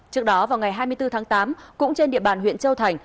trước đó vào ngày hai mươi bốn tháng tám cũng trên địa bàn huyện châu thành